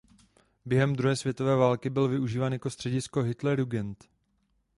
Během druhé světové války byl využíván jako středisko Hitlerjugend.